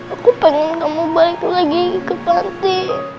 aku pengen kamu balik lagi ke quality